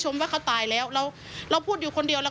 โยต้องกล้าภาษณ์อยากให้คุณผู้ชมได้ฟัง